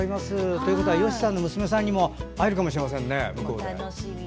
ということはよしさんの娘さんにも会えるかもしれませんね。